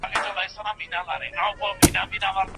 د کندهار تاریخ د اتلولیو او ویاړونو ډک دی.